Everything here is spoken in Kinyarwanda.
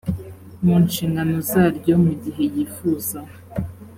mu nshingano zaryo mu gihe yifuza